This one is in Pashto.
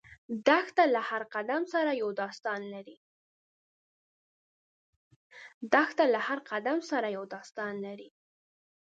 دښته له هر قدم سره یو داستان لري.